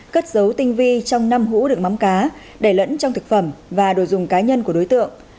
cất dấu tinh vi trong năm hũ được mắm cá để lẫn trong thực phẩm và đồ dùng cá nhân của đối tượng